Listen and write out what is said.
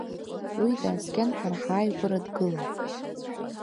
Уи дааскьан, ҳара ҳааигәара дгылан.